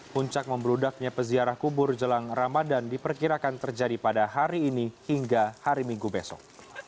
puncak membludaknya peziarah kubur jelang ramadan diperkirakan terjadi pada hari ini hingga hari minggu besok